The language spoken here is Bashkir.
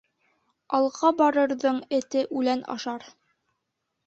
Алға барырҙың эте үлән ашар.